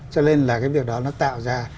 cho nên là cái việc đó nó tạo ra